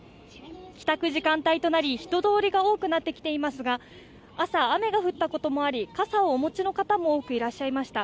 帰宅時間帯となり、人通りが多くなってきていますが朝、雨が降ったこともあり、傘をお持ちの方も多くいらっしゃいました。